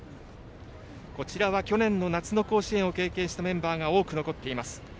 去年の夏の甲子園を経験したメンバーが多く残っています。